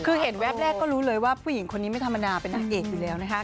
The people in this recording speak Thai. คือเห็นแวบแรกก็รู้เลยว่าผู้หญิงคนนี้ไม่ธรรมดาเป็นนางเอกอยู่แล้วนะคะ